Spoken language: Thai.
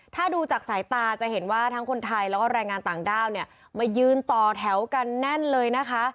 ถ้าดูจากสายตาจะเห็นว่าทั้งคนไทยแล้วก็แรงงานต่างด้าวเนี่ยมายืนต่อแถวกันแน่นเลยนะคะ